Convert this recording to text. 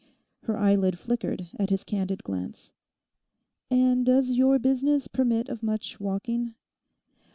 Her eyelid flickered at his candid glance. 'And does your business permit of much walking?